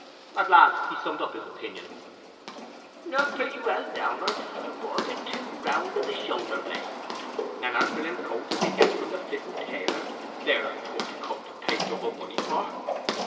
At last he summed up his opinion. "Pretty well down'ard, but a bit too round i' the shoulder blades. And as for them coats as he gets from the Flitton tailor, they're a poor cut to pay double money for."